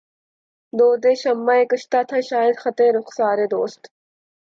دودِ شمعِ کشتہ تھا شاید خطِ رخسارِ دوست